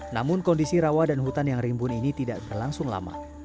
namun kondisi rawa dan hutan yang rimbun ini tidak berlangsung lama